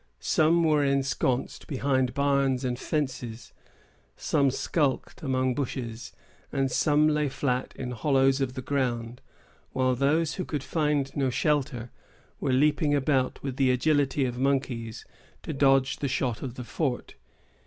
Some were ensconced behind barns and fences, some skulked among bushes, and some lay flat in hollows of the ground; while those who could find no shelter were leaping about with the agility of monkeys, to dodge the shot of the fort.